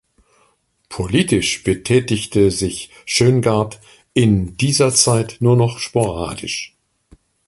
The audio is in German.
Politisch betätigte sich Schöngarth in dieser Zeit nur noch sporadisch.